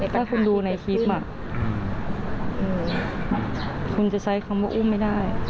ถ้าคุณดูในคลิปคุณจะใช้คำว่าอุ้มไม่ได้